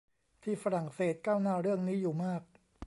ที่ฝรั่งเศสก้าวหน้าเรื่องนี้อยู่มาก